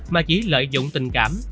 mà chỉ lợi dụng tình cảm